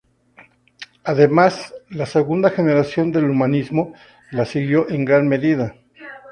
Además, la segunda generación del humanismo la siguió en gran medida.